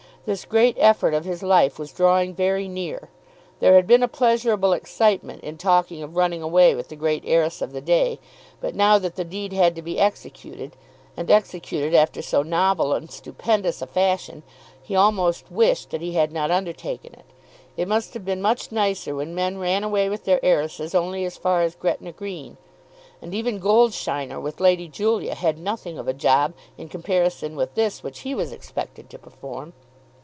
This great effort of his life was drawing very near. There had been a pleasurable excitement in talking of running away with the great heiress of the day, but now that the deed had to be executed, and executed after so novel and stupendous a fashion, he almost wished that he had not undertaken it. It must have been much nicer when men ran away with their heiresses only as far as Gretna Green. And even Goldsheiner with Lady Julia had nothing of a job in comparison with this which he was expected to perform.